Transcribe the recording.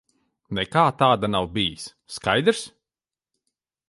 Nekā tāda nav bijis. Skaidrs?